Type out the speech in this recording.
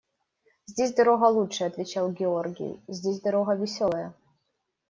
– Здесь дорога лучше, – отвечал Георгий, – здесь дорога веселая.